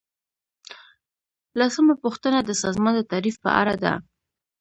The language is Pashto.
لسمه پوښتنه د سازمان د تعریف په اړه ده.